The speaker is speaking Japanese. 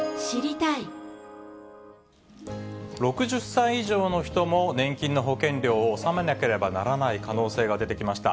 ６０歳以上の人も年金の保険料を納めなければならない可能性が出てきました。